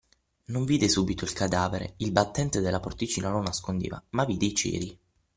Non vide subito il cadavere – il battente della porticina lo nascondeva – ma vide i ceri.